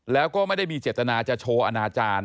แล้วก็ไม่ได้มีเจตนาจะโชว์อนาจารย์